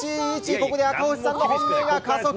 ここで、赤星さんの本命が加速。